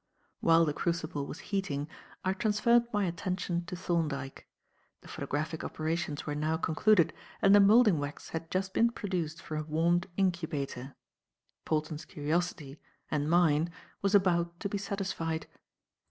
While the crucible was heating, I transferred my attention to Thorndyke. The photographic operations were now concluded and the moulding wax had just been produced from a warmed incubator. Polton's curiosity and mine was about to be satisfied.